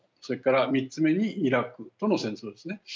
それから３つ目にイラクとの戦争ですね。